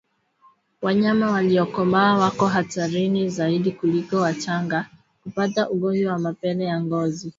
Wanyama waliokomaa wako hatarini zaidi kuliko wachanga kupata ugonjwa wa mapele ya ngozi